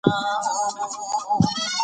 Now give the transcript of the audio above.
مالي چارې پوهنه او تجربه غواړي.